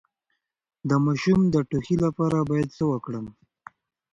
د ماشوم د ټوخي لپاره باید څه وکړم؟